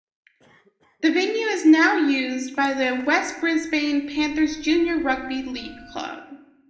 The venue is now used by the West Brisbane Panthers Junior Rugby League Club.